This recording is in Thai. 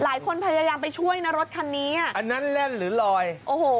พยายามไปช่วยนะรถคันนี้อ่ะอันนั้นแล่นหรือลอยโอ้โห